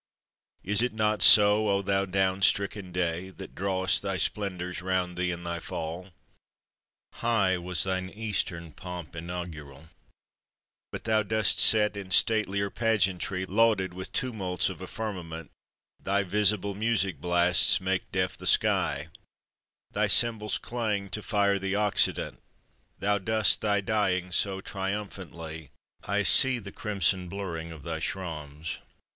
Is it not so, O thou down stricken Day, That draw'st thy splendours round thee in thy fall? High was thine Eastern pomp inaugural; But thou dost set in statelier pageantry Lauded with tumults of a firmament: Thy visible music blasts make deaf the sky, Thy cymbals clang to fire the Occident, Thou dost thy dying so triumphally: I see the crimson blaring of thy shawms!